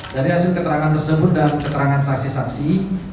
dari hasil keterangan tersebut dan keterangan saksi saksi